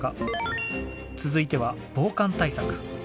続いては防寒対策。